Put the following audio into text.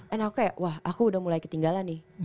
and aku kayak wah aku udah mulai ketinggalan nih